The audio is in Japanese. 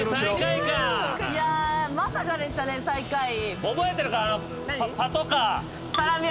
いやまさかでしたね最下位。